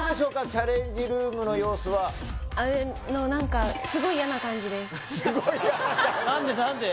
チャレンジルームの様子はあの何かすごい嫌な感じ何で何で？